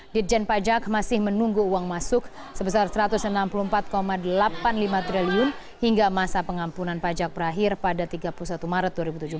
ditjen pajak masih menunggu uang masuk sebesar rp satu ratus enam puluh empat delapan puluh lima triliun hingga masa pengampunan pajak berakhir pada tiga puluh satu maret dua ribu tujuh belas